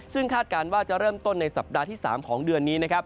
ซึ่งคาดการณ์ว่าจะเริ่มต้นในสัปดาห์ที่๓ของเดือนนี้นะครับ